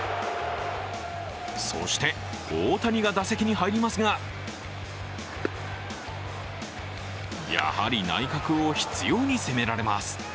そして大谷が打席に入りますがやはり内角を執ように攻められます。